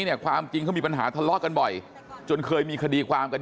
เนี่ยความจริงเขามีปัญหาทะเลาะกันบ่อยจนเคยมีคดีความกัน